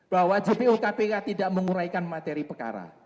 bahwa jpu kpk tidak menguraikan materi pekara